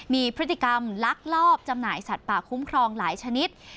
มีพฤติกรรมลักลอบจำหน่ายสัตว์ป่าคุ้มครองหลายชนิด